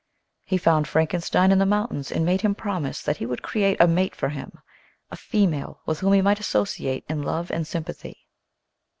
He found Frankenstein in the mountains and made him promise that he would create a mate for him, a female with whom he might associate in love and sympathy.